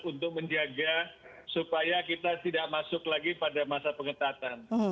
untuk menjaga supaya kita tidak masuk lagi pada masa pengetatan